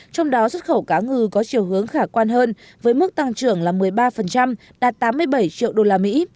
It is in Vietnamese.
trong đó xuất khẩu cá ngừ có chiều hướng khả quan hơn với mức tăng trưởng là một mươi ba đạt tám mươi bảy triệu usd